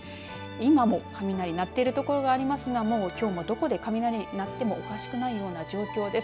今も雷が鳴っている所がありますがきょうはどこで雷が鳴ってもおかしくないような状況です。